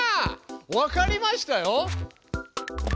わかりましたよ。